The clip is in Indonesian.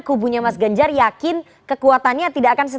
kubunya mas ganjar yakin kekuatannya tidak akan sesuai